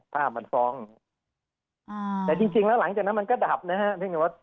ภาพมันฟ้องแต่จริงแล้วหลังจากนั้นมันก็ดับนะฮะ